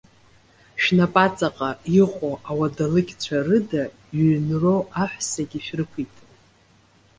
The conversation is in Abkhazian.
Шәнапы аҵаҟа иҟоу ауадалықьцәа рыда, иҩнроу аҳәсагьы шәрықәиҭым.